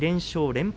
連敗